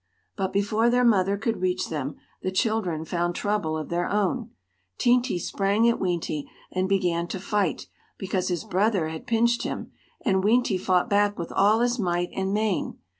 But before their mother could reach them, the children found trouble of their own. Teenty sprang at Weenty and began to fight, because his brother had pinched him, and Weenty fought back with all his might and main.